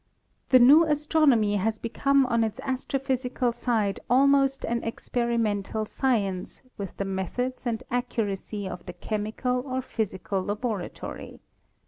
The New Astronomy has become on its astrophysical side almost an experimental science with the methods and accuracy of the chemical or physical laboratory.